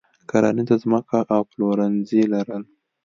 کرنیزه ځمکه او پلورنځي لرل.